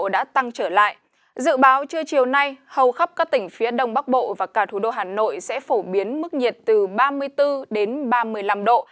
dự báo trưa chiều nay hầu khắp các tỉnh phía đông bắc bộ và cả thủ đô hà nội sẽ phổ biến mức nhiệt từ ba mươi bốn đến ba mươi năm độ